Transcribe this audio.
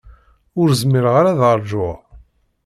Ur zmireɣ ara ad ṛjuɣ.